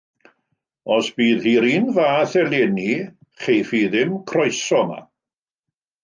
Os bydd hi'r un fath eleni cheiff hi ddim croeso yma.